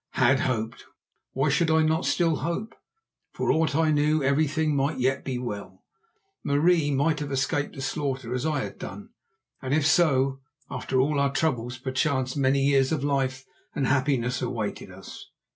Had hoped!—why should I not still hope? For aught I knew everything might yet be well. Marie might have escaped the slaughter as I had done, and if so, after all our troubles perchance many years of life and happiness awaited us.